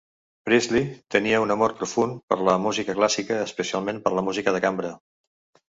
Priestley tenia un amor profund per la música clàssica, especialment per la música de cambra.